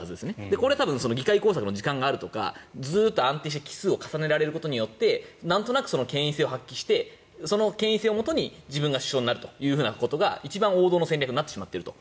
これは多分議会工作の時間があるとかずっと安定して期数を重ねられることでなんとなく権威性を発揮してその権威性をもとに自分が首相になるということが一番王道の戦略になってしまっていると。